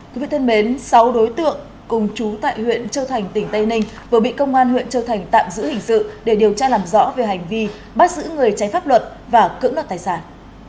quý vị thân mến sáu đối tượng cùng chú tại huyện châu thành tỉnh tây ninh vừa bị công an huyện châu thành tạm giữ hình sự để điều tra làm rõ về hành vi bắt giữ người trái pháp luật và cưỡng đoạt tài sản